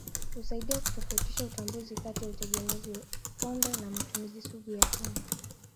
Husaidia kutofautisha utambuzi kati ya utegemezi pombe na matumizi sugu ya pombe.